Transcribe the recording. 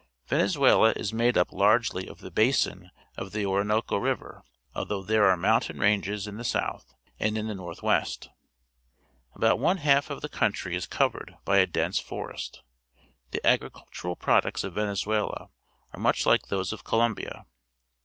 — Vene zuela is made up largely of the basin of the Orinoco River, although there are moun tain ranges in the .south and in the north THE ISLANDS OF SOUTH AMERICA 159 west. About one half of the country is covered by a dense forest. The agricul tural products of Venezuela are much like those of Colombia.